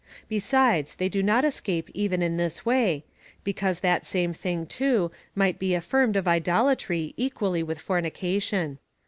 Besides, they do not escape even in this way, because that same thing, too, might be affirmed of idolatry equally with fornication.